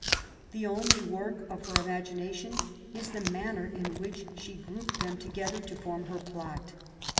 The only work of her imagi nation is the manner in which she grouped them to gether to form her plot.